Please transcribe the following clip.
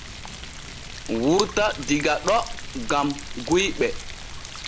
Wurta diga ɗo gam guyɓe.